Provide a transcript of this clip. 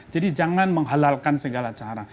jadi jangan menghalalkan segala cara